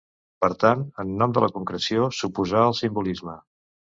Per tant, en nom de la concreció, s'oposà al simbolisme.